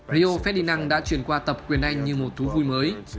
rio festinang đã chuyển qua tập quyền anh như một thú vui mới